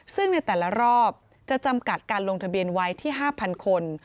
ซึ่งในแต่ละรอบจะจำกัดการลงทะเบียนไว้ที่๕๐๐คน